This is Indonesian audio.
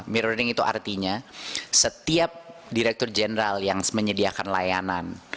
mirroring itu artinya setiap direktur jeneral yang menyediakan layanan